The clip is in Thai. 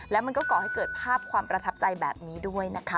แล้วมันก็ก่อให้เกิดภาพความประทับใจแบบนี้ด้วยนะคะ